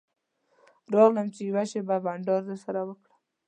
راغلم چې یوه شېبه بنډار درسره وکړم.